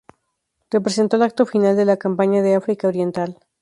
Representó el acto final de la Campaña de África Oriental.